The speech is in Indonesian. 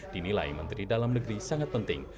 dinilai menteri dalam negeri sangat penting